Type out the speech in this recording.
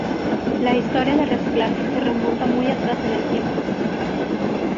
La historia del reciclaje se remonta muy atrás en el tiempo.